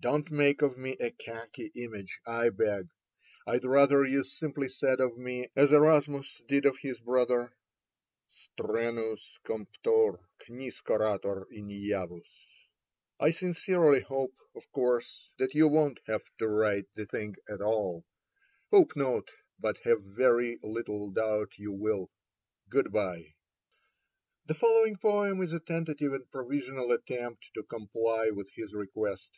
Don't make of me a khaki image, I beg. I'd rather you simply said of me, as Erasmus did of his brother, ' Strenuus compotor, nee scortator ignavus.' I sincerely hope, of course, that you won't have to write the thing at all — hope not, but have very little doubt you will. Good bye." The following poem is a tentative and provisional attempt to comply with his request.